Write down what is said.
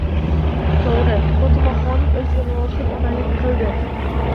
To'g'ri, Fotimaxonim o'ziga munosib onalik qildi